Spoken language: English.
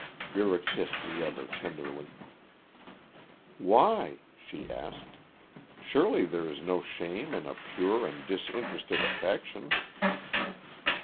Vera kissed the other tenderly. "Why?" she asked. "Surely there is no shame in a pure and disinterested affection."